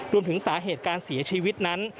รวมถึงสาเหตุการเสียชีวิตนั้น